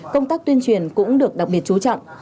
công tác tuyên truyền cũng được đặc biệt chú trọng